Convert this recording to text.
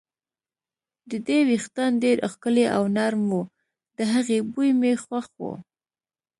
د دې وېښتان ډېر ښکلي او نرم وو، د هغې بوی مې خوښ و.